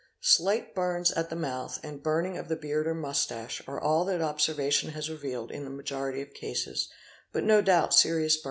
Slight burns at the mouth and burning of the beard or moustache _ are all that observation has revealed in the majority of cases, but no 108 aa: % X yo vi a 4